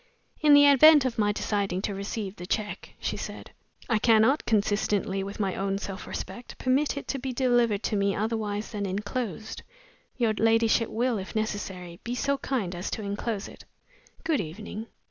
"In the event of my deciding to receive the check," she said, "I cannot, consistently with my own self respect, permit it to be delivered to me otherwise than inclosed. Your ladyship will (if necessary) be so kind as to inclose it. Good evening."